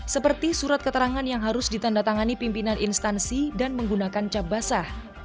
seperti surat keterangan yang harus ditandatangani pimpinan instansi dan menggunakan cap basah